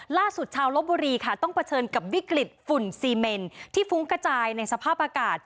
ล่าสุดชาวลบบุรีค่ะต้องเผชิญกับวิกฤตฝุ่นซีเมนที่ฟุ้งกระจายในสภาพอากาศ